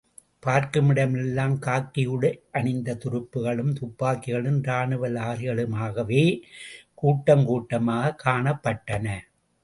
பார்க்கும் இடமெல்லாம் காக்கி உடையணிந்ததுருப்புகளும், துப்பாக்கிகளும், ராணுவ லாரிகளுமாகவே கூட்டங்கூட்டமாகக் காணப்பட்டன.